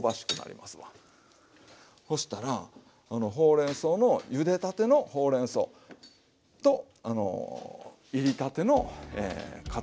そしたらほうれんそうのゆでたてのほうれんそうといりたてのかつお節のせただけです。